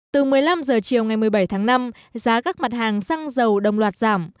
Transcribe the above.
từ một mươi năm h chiều ngày một mươi bảy tháng năm giá các mặt hàng xăng dầu đồng loạt giảm